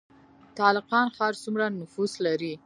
تالقان ښار څومره نفوس لري؟